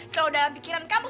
selalu dalam pikiran kamu